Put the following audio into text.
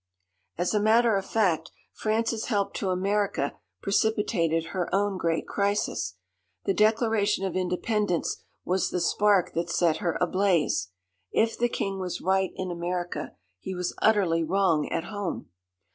As a matter of fact, France's help to America precipitated her own great crisis. The Declaration of Independence was the spark that set her ablaze. If the king was right in America he was utterly wrong at home.